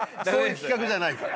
そういう企画じゃない。